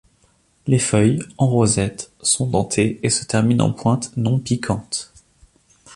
Les feuilles, en rosette sont dentées et se terminent en pointe non piquante.